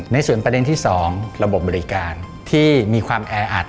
ในส่วนประเด็นที่๒ระบบบบริการที่มีความแออัด